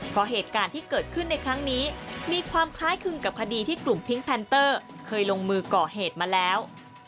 เพราะเหตุการณ์ที่เกิดขึ้นในครั้งนี้มีความคล้ายคลึงกับคดีที่กลุ่มพิ้งแพนเตอร์เคยลงมือก่อเหตุมาแล้ว